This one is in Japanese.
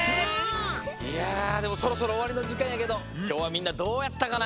いやでもそろそろおわりのじかんやけどきょうはみんなどうやったかな？